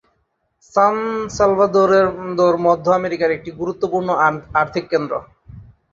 সান Salvador মধ্য আমেরিকার একটি গুরুত্বপূর্ণ আর্থিক কেন্দ্র।